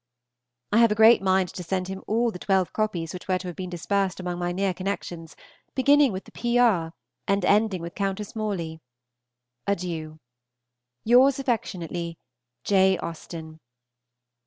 I have a great mind to send him all the twelve copies which were to have been dispersed among my near connections, beginning with the P. R. and ending with Countess Morley. Adieu. Yours affectionately, J. AUSTEN.